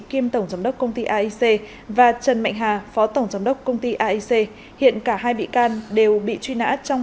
kiêm tổng giám đốc công ty aic và trần mạnh hà phó tổng giám đốc công ty aic hiện cả hai bị can đều bị truy nã trong